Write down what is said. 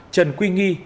trần quy nghì